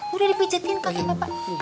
udah dipijetin kakinya bapak